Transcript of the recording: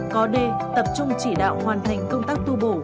có đê tập trung chỉ đạo hoàn thành công tác tu bổ